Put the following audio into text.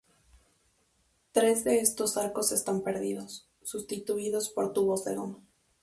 Tres de estos arcos están perdidos, sustituidos por tubos de goma.